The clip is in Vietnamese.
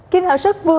kính hậu sức vui